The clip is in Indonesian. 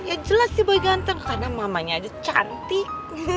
ya jelas sih boy ganteng karena mamanya aja cantik